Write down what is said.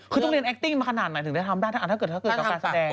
คือต้องเรียนแอคติ้งมาขนาดไหนถึงได้ทำได้ถ้าเกิดกับการแสดง